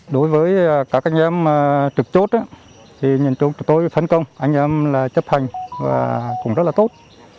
tàm trực chốt nhìn chúng tôi phân công anh em chấp hành cũng rất tốt